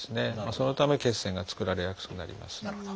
そのため血栓が作られやすくなります。